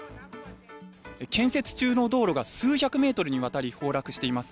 建設中の道路が数百メートルにわたり崩落しています。